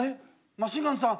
マシンガンズさん？